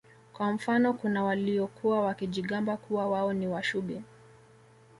Kwa mfano kuna waliokuwa wakijigamba kuwa wao ni Washubi